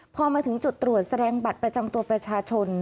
พอมาถึงจุดตรวจแสดงบัตรประจำตัวประชาชน